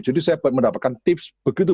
jadi saya mendapatkan tips begitu banyak